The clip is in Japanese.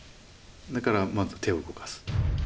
だからまず手を動かす。